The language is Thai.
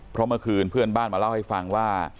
เพราะเมื่อคืนเพื่อนบ้านมาเล่าให้ฟังว่า